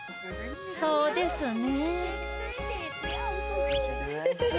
そうですね。